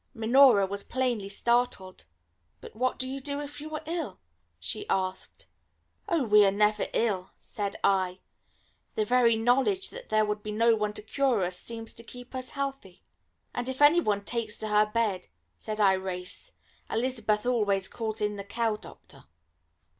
Minora was plainly startled. "But what do you do if you are ill?" she asked. "Oh, we are never ill," said I; "the very knowledge that there would be no one to cure us seems to keep us healthy." "And if any one takes to her bed," said Irais, "Elizabeth always calls in the cow doctor."